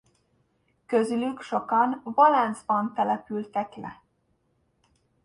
Közülük sokan Valence-ban települtek le.